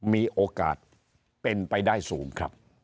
มีโอกาสเป็นไปได้สูงครับ